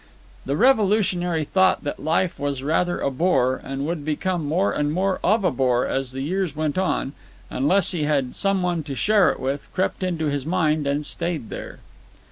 The revolutionary thought that life was rather a bore, and would become more and more of a bore as the years went on, unless he had some one to share it with, crept into his mind and stayed there.